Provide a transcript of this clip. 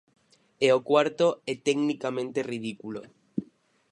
E o cuarto é tecnicamente ridículo.